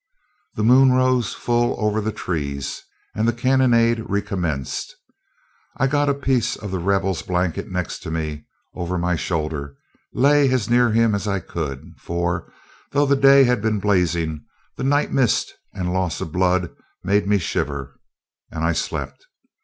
The moon rose full over the trees, and the cannonade recommenced. I got a piece of the wounded rebel's blanket next me over my shoulder, lay as near him as I could; for, though the day had been blazing, the night mist and loss of blood made me shiver; and I slept.